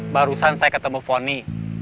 barusan saya ketemu foni